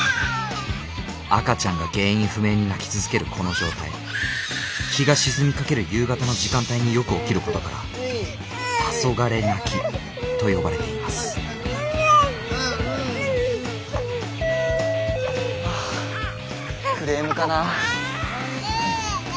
赤ちゃんが原因不明に泣き続けるこの状態日が沈みかける夕方の時間帯によく起きることから「黄昏泣き」と呼ばれていますああクレームかな。